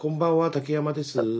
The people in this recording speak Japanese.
竹山です。